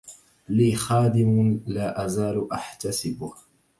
لي خادم لا أزال أحتسبه